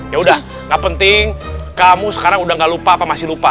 ya udah gak penting kamu sekarang udah gak lupa apa masih lupa